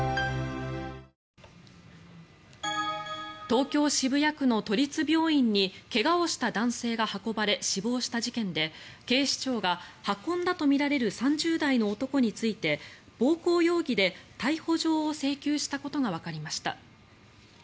東京・渋谷区の都立病院に怪我をした男性が運ばれ死亡した事件で、警視庁が運んだとみられる３０代の男について暴行容疑で逮捕状を請求したことがわかりました。